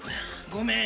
ごめん！